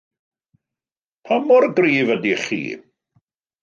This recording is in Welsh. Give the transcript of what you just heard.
Pa mor gryf ydych chi?